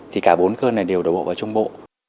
thì cả bốn cơn này đều đổ bộ vào trung bộ